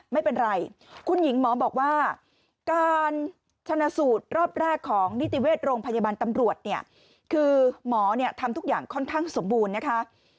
ไม่เป็นไรคุณหญิงหมอบอกว่าการชนะสูตรรอบแรกของนิติเวชโรงพยาบาลตำรวจเนี่ยคือหมอเนี่ยทำทุกอย่างค่อนข้างสมบูรณ์นะคะ